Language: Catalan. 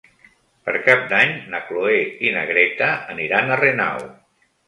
Per Cap d'Any na Cloè i na Greta aniran a Renau.